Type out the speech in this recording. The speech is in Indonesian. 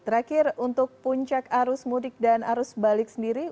terakhir untuk puncak arus mudik dan arus balik sendiri